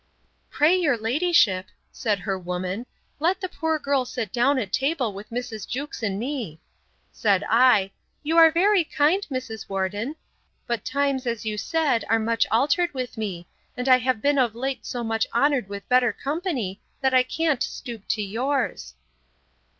Pray your ladyship, said her woman, let the poor girl sit down at table with Mrs. Jewkes and me.—Said I, You are very kind, Mrs. Worden; but times, as you said, are much altered with me; and I have been of late so much honoured with better company, that I can't stoop to yours.